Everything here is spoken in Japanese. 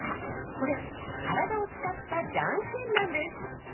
これ体を使ったじゃんけんなんです。